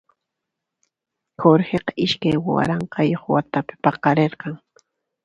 Jorgeqa iskay waranqayuq watapi paqarirqan.